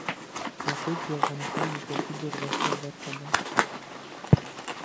یاقوت د افغانستان د سیاسي جغرافیه برخه ده.